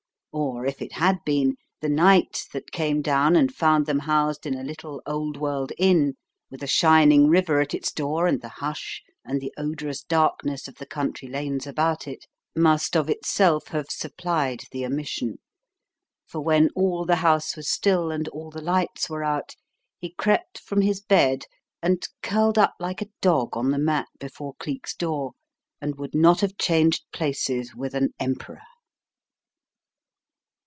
Or, if it had been, the night that came down and found them housed in a little old world inn, with a shining river at its door and the hush and the odorous darkness of the country lanes about it, must of itself have supplied the omission; for when all the house was still and all the lights were out, he crept from his bed and curled up like a dog on the mat before Cleek's door, and would not have changed places with an emperor.